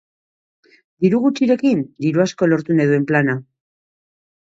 Diru gutxirekin, diru asko lortu nahi duen plana.